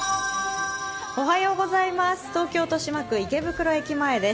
東京・豊島区池袋駅前です。